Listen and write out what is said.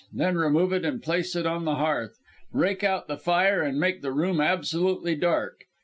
Then remove it and place it on the hearth, rake out the fire and make the room absolutely dark.